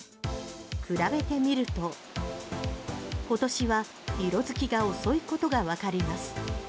比べてみると今年は色づきが遅いことがわかります。